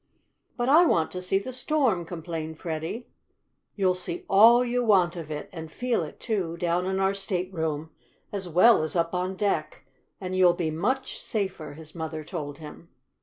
"But I want to see the storm!" complained Freddie. "You'll see all you want of it, and feel it, too, down in our stateroom, as well as up on deck, and you'll be much safer," his mother told him.